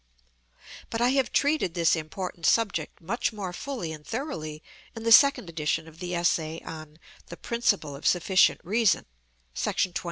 But I have treated this important subject much more fully and thoroughly in the second edition of the essay on "The Principle of Sufficient Reason," § 21.